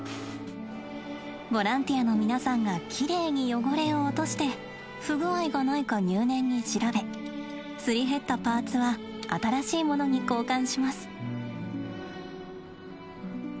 ボランティアの皆さんがきれいに汚れを落として不具合がないか入念に調べすり減ったパーツは新しいものに交換します。